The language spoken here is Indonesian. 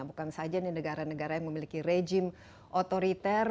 bukan saja negara negara yang memiliki rejim otoriter